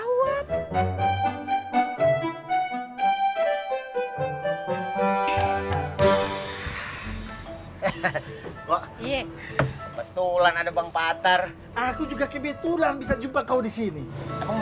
hai hehehe kok iya betulan ada bang fathar aku juga kebetulan bisa jumpa kau di sini kamu